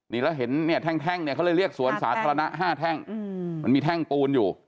นี่แล้วเห็นเนี่ยแท่งเนี่ยเขาเลยเรียกสวนสาธารณะ๕แท่งมันมีแท่งปูนอยู่